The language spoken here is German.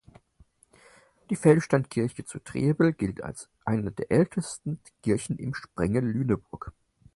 Die Feldsteinkirche zu Trebel gilt als eine der ältesten Kirchen im Sprengel Lüneburg.